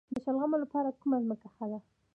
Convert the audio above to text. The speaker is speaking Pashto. د شلغمو لپاره کومه ځمکه ښه ده؟